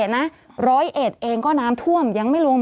ศูนย์อุตุนิยมวิทยาภาคใต้ฝั่งตะวันอ่อค่ะ